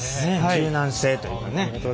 柔軟性というかね。